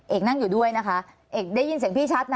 เอกนั่งอยู่ด้วยนะคะเอกได้ยินเสียงพี่ชัดนะ